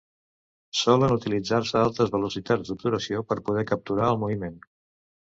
Solen utilitzar-se altes velocitats d'obturació per poder capturar el moviment.